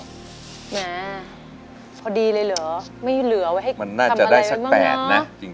น่าพอดีเลยเหรอไม่เหลือไว้ให้ทำอะไรบ้างเนอะอเจมส์มันน่าจะได้สัก๘นะ